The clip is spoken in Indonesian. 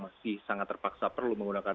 masih sangat terpaksa perlu menggunakan